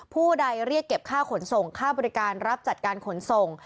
ผู้ใดเรียกเก็บค่าขนส่งค่าบริการรับจัดการขนส่ง